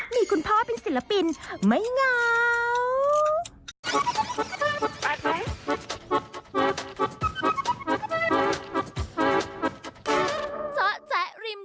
มีคุณพ่อเป็นศิลปินไม่เหงา